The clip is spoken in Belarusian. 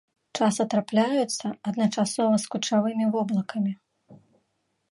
Часта трапляюцца адначасова з кучавымі воблакамі.